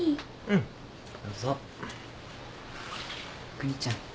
邦ちゃん。